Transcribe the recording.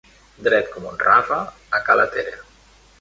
Dret com un rave a ca la Tere.